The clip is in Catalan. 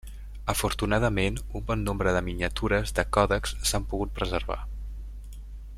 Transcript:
Afortunadament, un bon nombre de miniatures de còdexs s'han pogut preservar.